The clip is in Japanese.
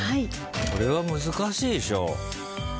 これは難しいでしょ。